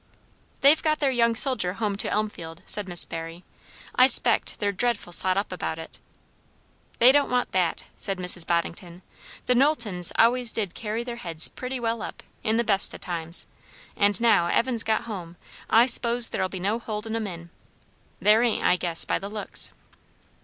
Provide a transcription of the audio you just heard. "They've got their young soldier home to Elmfield," said Miss Barry. "I s'pect they're dreadful sot up about it." "They don't want that," said Mrs. Boddington. "The Knowltons always did carry their heads pretty well up, in the best o' times; and now Evan's got home, I s'pose there'll be no holding 'em in. There ain't, I guess, by the looks."